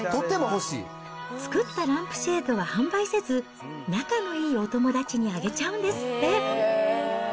作ったランプシェードは販売せず、仲のいいお友達にあげちゃうんですって。